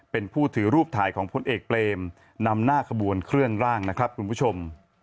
เป็นผู้ถือรูปถ่ายของพลเอกเปรมนำหน้าขบวนเคลื่อนร่างนะครับคุณผู้ชม